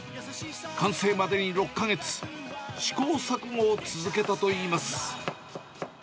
完成までに６か月、試行錯誤を続けたといいます。